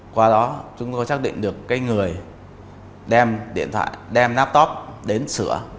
qua đó chúng tôi xác định được cái người đem điện thoại đem nắp tốp đến sửa